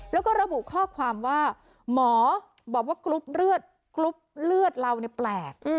แล้วก็ระบุข้อความว่าหมอบอกว่ากรุ๊ปเลือดกรุ๊ปเลือดเราแปลก